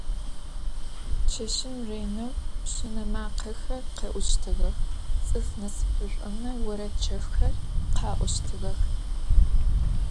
Çeşım rêneu pşıne makhexer khe'uştığex, ts'ıf nasıpış'ome vored çefxer kha'oştığex.